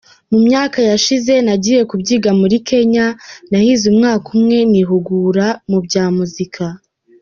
Mu myaka yashize nagiye kubyiga muri Kenya, nahize umwaka umwe nihugura mu bya muzika.